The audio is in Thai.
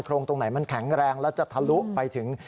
งตรงไหนมันแข็งแรงแล้วจะทะลุไปถึง